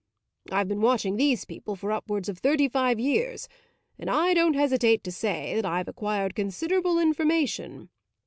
I've been watching these people for upwards of thirty five years, and I don't hesitate to say that I've acquired considerable information.